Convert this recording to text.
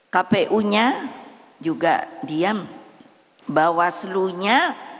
kpu nya juga diam bawaslu nya